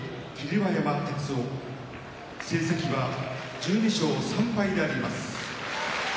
馬山鐵雄成績は１２勝３敗であります。